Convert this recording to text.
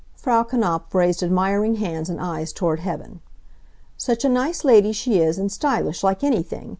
Frau Knapf raised admiring hands and eyes toward heaven. "Such a nice lady she is, and stylish, like anything!